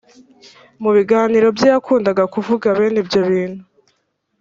mu biganiro bye yakundaga kuvuga bene ibyo bintu